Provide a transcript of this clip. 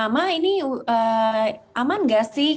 ma ini aman nggak sih